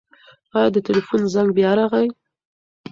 ایا د تلیفون زنګ بیا راغی؟